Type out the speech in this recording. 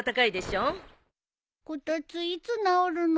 こたついつ直るの？